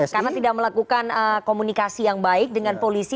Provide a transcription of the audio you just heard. karena tidak melakukan komunikasi yang baik dengan polisi